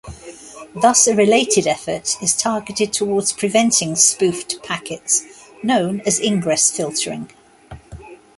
Thus, a related effort is targeted towards preventing spoofed packets; known as ingress filtering.